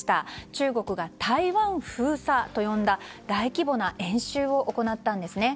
中国が台湾封鎖と呼んだ大規模な演習を行ったんですね。